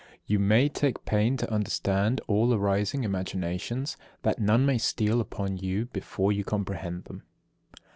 You may take pains to understand all arising imaginations, that none may steal upon you before you comprehend them.